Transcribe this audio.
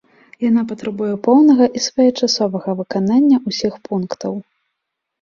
Яна патрабуе поўнага і своечасовага выканання ўсіх пунктаў.